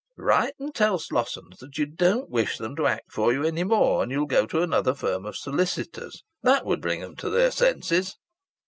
"Write and tell Slossons that you don't wish them to act for you any more, and you'll go to another firm of solicitors. That would bring 'em to their senses."